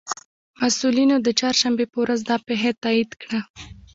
مسئولینو د چهارشنبې په ورځ دا پېښه تائید کړه